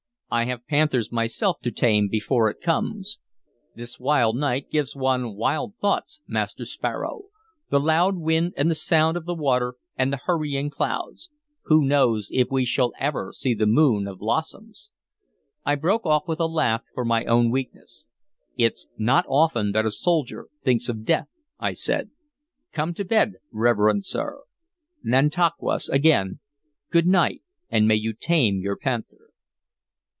I have panthers myself to tame before it comes. This wild night gives one wild thoughts, Master Sparrow. The loud wind, and the sound of the water, and the hurrying clouds who knows if we shall ever see the moon of blossoms?" I broke off with a laugh for my own weakness. "It's not often that a soldier thinks of death," I said. "Come to bed, reverend sir. Nantauquas, again, good night, and may you tame your panther!"